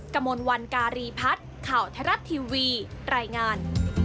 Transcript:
กระมวลวันการีพัฒน์ข่าวไทยรัฐทีวีรายงาน